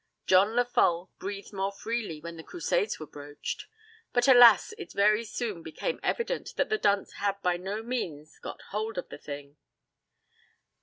John Lefolle breathed more freely when the Crusades were broached; but, alas, it very soon became evident that the dunce had by no means 'got hold of the thing'.